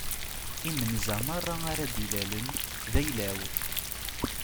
Imenza meṛṛa ara d-ilalen d ayla-w.